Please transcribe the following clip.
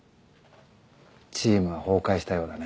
チームは崩壊したようだね。